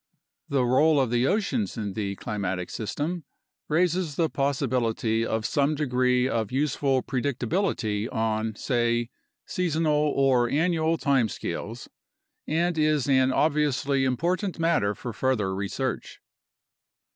The role of the oceans in the climatic system raises the pos sibility of some degree of useful predictability on, say, seasonal or annual time scales and is an obviously important matter for further research.